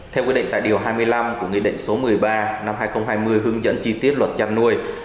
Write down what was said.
theo quy định tại điều hai mươi năm của nghị định số một mươi ba năm hai nghìn hai mươi hướng dẫn chi tiết luật chăn nuôi